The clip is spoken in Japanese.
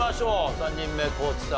３人目地さん